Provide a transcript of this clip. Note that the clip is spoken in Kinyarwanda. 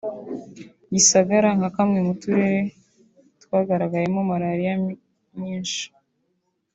Gisagara nka kamwe mu turere twagaragayemo Malariya nyinshi